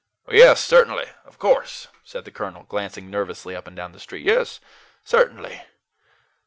"Yes, certainly, of course," said the colonel, glancing nervously up and down the street "yes, certainly."